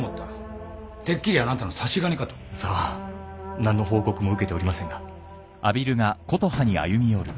何の報告も受けておりませんが。